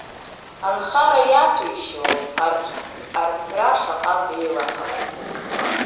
Анхара иаҭәеишьауам, арҳәра шаҟа деилаҳауазеи.